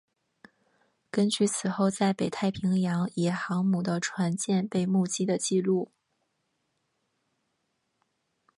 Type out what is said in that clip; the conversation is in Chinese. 根据此后在北太平洋也航海的船舰被目击的记录。